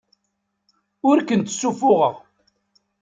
Ur kent-ssuffuɣeɣ.